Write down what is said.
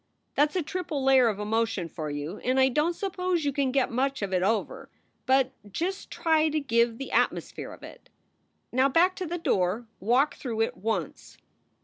That s a triple layer of emotion for you and I don t suppose you can get much of it over, but just try to give the at mosphere of it. Now back to the door. Walk through it once."